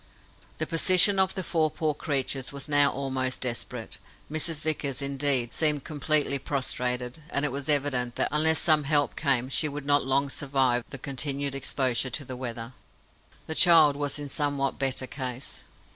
The position of the four poor creatures was now almost desperate. Mrs. Vickers, indeed, seemed completely prostrated; and it was evident that, unless some help came, she could not long survive the continued exposure to the weather. The child was in somewhat better case.